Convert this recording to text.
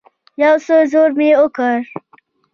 يو څه زور مې وکړ.